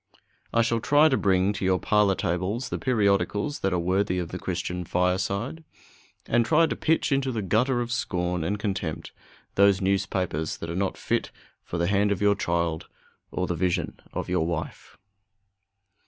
I shall try to bring to your parlor tables the periodicals that are worthy of the Christian fireside, and try to pitch into the gutter of scorn and contempt those newspapers that are not fit for the hand of your child or the vision of your wife.